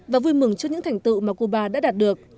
và vui mừng trước những thành tựu mà cuba đã đạt được